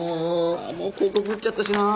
もう広告打っちゃったしなあ。